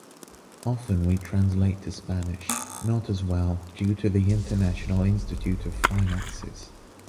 Often we translate to Spanish, not as well, due to the “International Institute of Finances”.